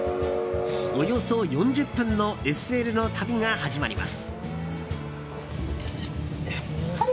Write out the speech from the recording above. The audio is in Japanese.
およそ４０分のＳＬの旅が始まります。